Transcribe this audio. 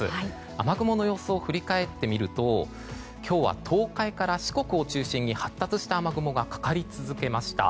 雨雲の様子を振り返ってみると今日は東海から四国を中心に発達した雨雲がかかり続けました。